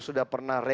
sudah pernah raise job